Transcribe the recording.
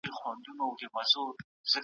هڅه او زیار بریا ته رسېدل دي.